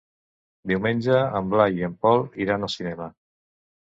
Diumenge en Blai i en Pol iran al cinema.